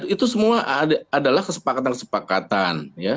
itu semua adalah kesepakatan kesepakatan